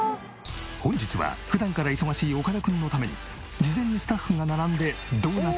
本日は普段から忙しい岡田君のために事前にスタッフが並んでドーナツを購入。